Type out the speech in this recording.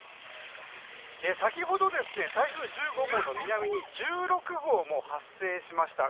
先ほど、台風１５号の南に１６号も発生しました。